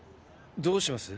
どうします？